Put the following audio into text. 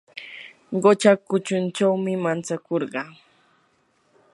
qucha kuchunchawmi mantsakurqaa.